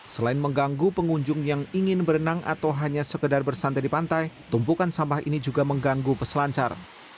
selain mengganggu pengunjung yang ingin berenang atau hanya sekedar bersantai di pantai tumpukan sampah ini juga mengganggu peselancar